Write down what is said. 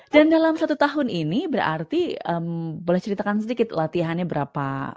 dan dalam satu tahun ini berarti boleh ceritakan sedikit latihannya berapa banyak